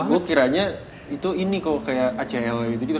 gue kiranya itu ini kok kayak acel gitu